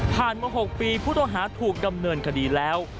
ผ่านกว่า๖ปีพุทธโอหาถูกดำเนินคดีแล้ว